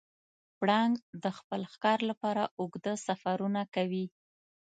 پړانګ د خپل ښکار لپاره اوږده سفرونه کوي.